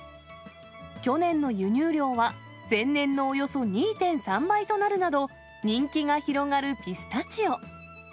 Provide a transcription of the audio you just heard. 去年の輸入量は、前年のおよそ２．３倍となるなど、人気が広がるピスタチオ。